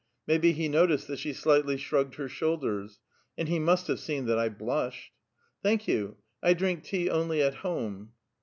May be he noticed that she slightly shrugged her shoulders. " And he must have seen that I blushed !" "Thank vou ! I drink tea only at home.'